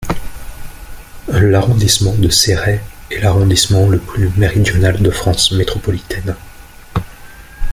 L'arrondissement de Céret est l'arrondissement le plus méridional de France métropolitaine.